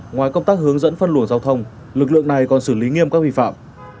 ngoài công tác hướng dẫn phân luận giao thông lực lượng này còn xử lý nghiêm các bị phạm